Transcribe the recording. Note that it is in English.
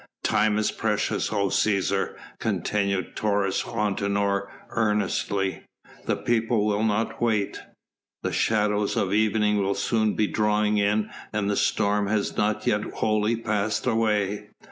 "Time is precious, O Cæsar," continued Taurus Antinor earnestly; "the people will not wait. The shadows of evening will soon be drawing in and the storm has not yet wholly passed away.